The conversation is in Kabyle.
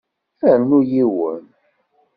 Rnu yiwen.